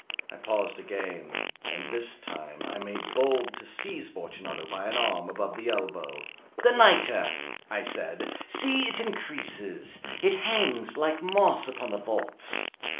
I paused again, and this time I made bold to seize Fortunato by an arm above the elbow. "The nitre!" I said: "see, it increases. It hangs like moss upon the vaults.